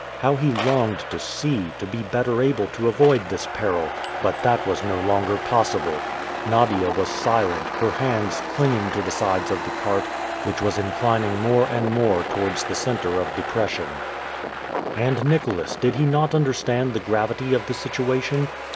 How he longed to see, to be better able to avoid this peril, but that was no longer possible. Nadia was silent, her hands clinging to the sides of the cart, which was inclining more and more towards the center of depression. And Nicholas, did he not understand the gravity of the situation?